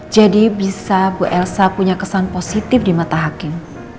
jadi bisa bu elsa punya kesan positif di mata hakim